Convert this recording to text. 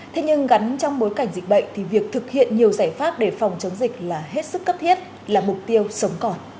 thế nhưng gắn trong bối cảnh dịch bệnh thì việc thực hiện nhiều giải pháp để phòng chống dịch là hết sức cấp thiết là mục tiêu sống còn